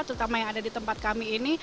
terutama yang ada di tempat kami ini